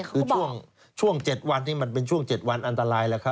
คือช่วง๗วันนี้มันเป็นช่วง๗วันอันตรายแล้วครับ